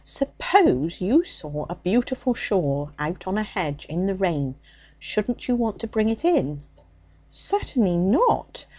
'Suppose you saw a beautiful shawl out on a hedge in the rain, shouldn't you want to bring it in?' 'Certainly not.